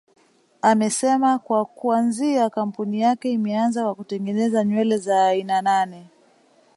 Amesema kwa kuanzia kampuni yake imeanza kwa kutengeneza nywele za aina nane